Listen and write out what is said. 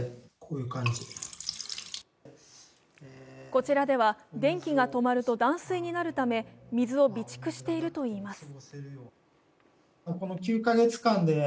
こちらでは電気が止まると断水になるため水を備蓄しているといいます。